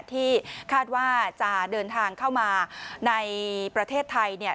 ที่คาดว่าจะเดินทางเข้ามาในประเทศไทยเนี่ย